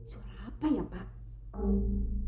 suara apa ya pak